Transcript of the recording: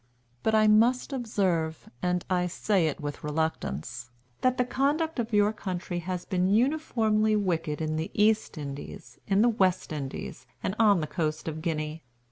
But I must observe, and I say it with reluctance, that the conduct of your country has been uniformly wicked in the East Indies, in the West Indies, and on the coast of Guinea.